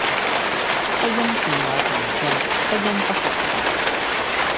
不因自我膨漲，不因不合群